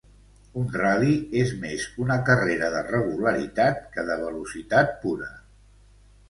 Un ral·li és més una carrera de regularitat que de velocitat pura.